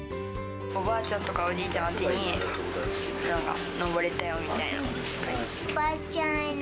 おばあちゃんとかおじいちゃん宛てに、登れたよみたいな。